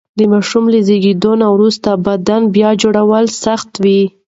د ماشوم له زېږون وروسته بدن بیا جوړول سخت و.